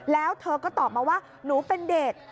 แล้วเธอก็ตอบมาว่าหนูเป็นเด็ก